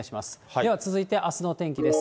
では続いて、あすのお天気です。